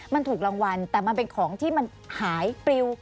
มันถูกรางวัลแต่มันเป็นของที่มันหายปริว